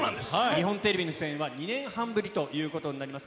日本テレビの出演は２年半ぶりということになります。